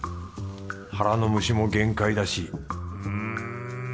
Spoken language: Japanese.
腹の虫も限界だしうん。